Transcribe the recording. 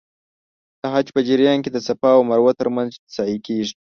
د حج په جریان کې د صفا او مروه ترمنځ سعی کېږي.